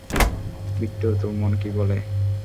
বিট্টো, তোর মন কী বলে?